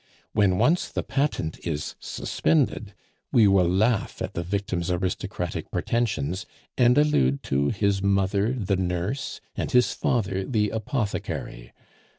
When once the patent is suspended, we will laugh at the victim's aristocratic pretensions, and allude to his mother the nurse and his father the apothecary.